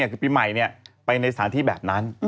คือปีใหม่นัยไปในสถานธิแบบนั้น